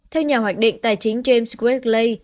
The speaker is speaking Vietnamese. theo nhà hoạch định tài chính james gregg lay